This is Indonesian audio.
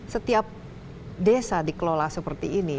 setiap desa dikelola seperti ini